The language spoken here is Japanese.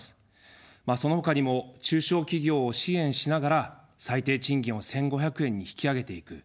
そのほかにも中小企業を支援しながら、最低賃金を１５００円に引き上げていく。